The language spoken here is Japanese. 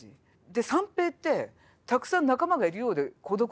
で三平ってたくさん仲間がいるようで孤独なんですよ。